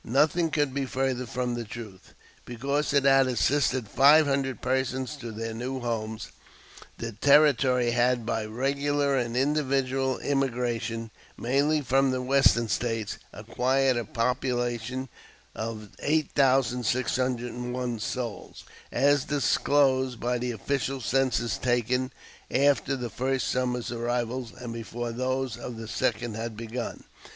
Nothing could be further from the truth. Before it had assisted five hundred persons to their new homes, the Territory had by regular and individual immigration, mainly from the Western States, acquired a population of 8601 souls, as disclosed by the official census taken after the first summer's arrivals, and before those of the second had begun.